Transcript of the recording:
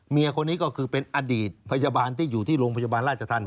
เมียคนนี้ก็คือเป็นอดีตพยาบาลที่อยู่ที่โรงพยาบาลราชธรรม